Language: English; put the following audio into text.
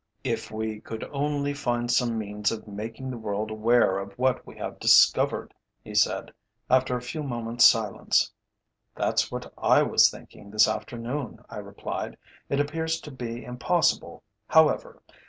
"If we could only find some means of making the world aware of what we have discovered," he said, after a few moments' silence. "That's what I was thinking this afternoon," I replied. "It appears to be impossible, however.